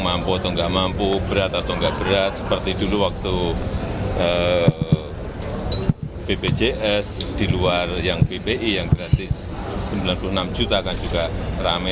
mampu atau nggak mampu berat atau enggak berat seperti dulu waktu bpjs di luar yang bpi yang gratis sembilan puluh enam juta kan juga rame